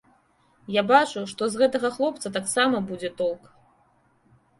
Я бачу, што з гэтага хлопца таксама будзе толк.